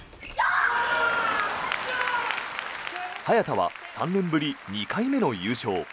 早田は３年ぶり２回目の優勝。